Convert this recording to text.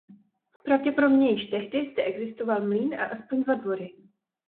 Pravděpodobně již tehdy zde existoval mlýn a aspoň dva dvory.